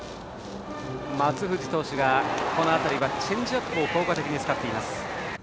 松藤投手が、この辺りからチェンジアップを効果的に使っています。